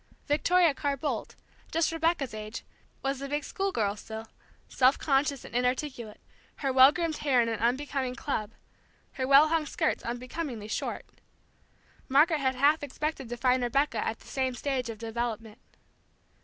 Victoria Carr Boldt, just Rebecca's age, as a big schoolgirl still, self conscious and inarticulate, her well groomed hair in an unbecoming "club," her well hung skirts unbecomingly short. Margaret had half expected to find Rebecca at the same stage of development.